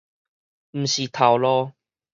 毋是頭路